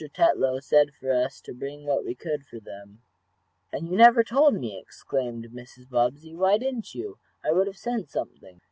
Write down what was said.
Tetlow said for us to bring what we could for them." "And you never told me!" exclaimed Mrs. Bobbsey. "Why didn't you? I would have sent something."